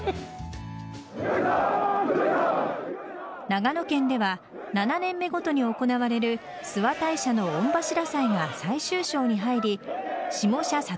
長野県では７年目ごとに行われる諏訪大社の御柱祭が最終章に入り下社里